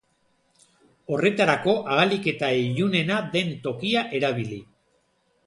Horretarako ahalik eta ilunena den tokia erabili.